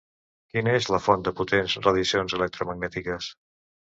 Quina és la font de potents radiacions electromagnètiques?